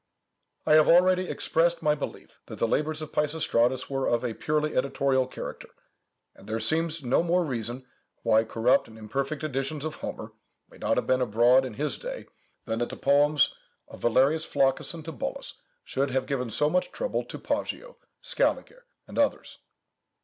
I have already expressed my belief that the labours of Peisistratus were of a purely editorial character; and there seems no more reason why corrupt and imperfect editions of Homer may not have been abroad in his day, than that the poems of Valerius Flaccus and Tibullus should have given so much trouble to Poggio, Scaliger, and others.